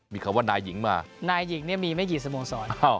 มีคำว่านายหญิงมานายหญิงเนี่ยมีไม่กี่สโมสร